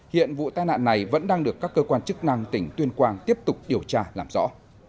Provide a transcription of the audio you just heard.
hiện vụ tai nạn này vẫn đang được các cơ quan chức năng tỉnh tuyên quang tiếp tục điều tra làm rõ